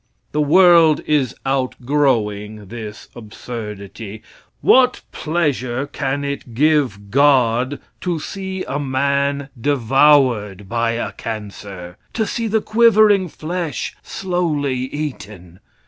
The world is outgrowing this absurdity. What pleasure can it give "God" to see a man devoured by a cancer? To see the quivering flesh slowly eaten?